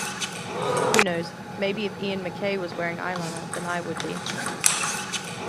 Who knows, maybe if Ian MacKaye was wearing eyeliner then I would be.